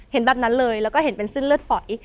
แบบนั้นเลยแล้วก็เห็นเป็นเส้นเลือดฝอย